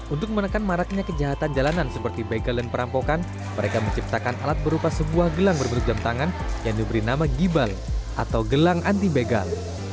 untuk menekan maraknya kejahatan jalanan seperti begal dan perampokan mereka menciptakan alat berupa sebuah gelang berbentuk jam tangan yang diberi nama gibal atau gelang anti begal